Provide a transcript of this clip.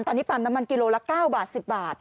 ตอนนี้ปั๊มน้ำมันกิโลละ๙บาท๑๐บาท